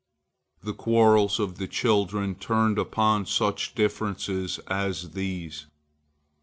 The quarrels of the children turned upon such differences as these.